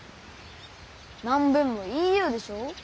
何べんも言いゆうでしょう。